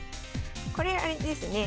これあれですね。